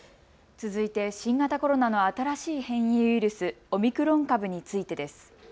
続いて新型コロナの新しい変異ウイルス、オミクロン株についてです。